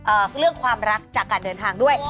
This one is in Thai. เรื่องความรักจากการเดินทางด้วย